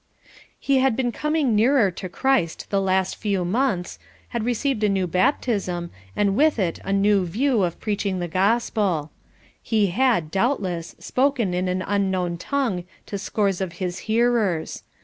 He had been coming nearer to Christ the last few months, had received a new baptism, and with it a new view of preaching the gospel. He had, doubtless, spoken in an unknown tongue to scores of his hearers.